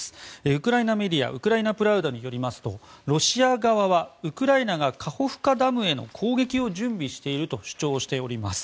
ウクライナメディアのウクライナ・プラウダによりますとロシア側はウクライナがカホフカダムへの攻撃を準備していると主張しております。